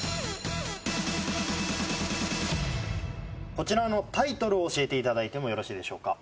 こちらのタイトルを教えていただいてもよろしいでしょうか